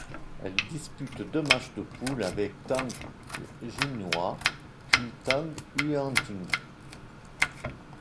Elle dispute deux matches de poules avec Tang Jinhua puis Tang Yuanting.